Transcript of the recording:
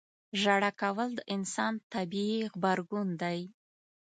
• ژړا کول د انسان طبیعي غبرګون دی.